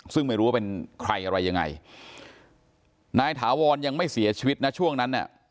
ซึ่งไม่รู้ว่าเป็นใครอะไรยังไงนายถาวรยังไม่เสียชีวิตนะช่วงนั้นเนี่ย